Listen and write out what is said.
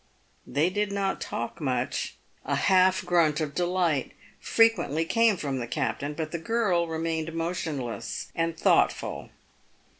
They did not talk much. A half grunt of delight frequently came from the captain, but the girl remained motionless and thoughtful.